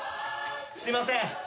すいません。